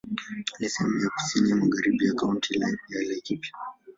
Ni sehemu ya kusini magharibi ya Kaunti ya Laikipia.